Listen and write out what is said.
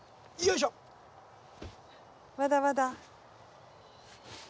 まだまだ。